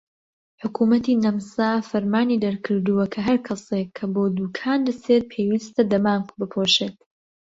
حکومەتی نەمسا فەرمانی دەرکردووە کە هەر کەسێک کە بۆ دوکان دەچێت پێویستە دەمامکێک بپۆشێت.